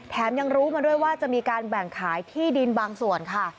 ยังรู้มาด้วยว่าจะมีการแบ่งขายที่ดินบางส่วนค่ะ